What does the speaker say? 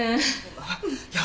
あっいや。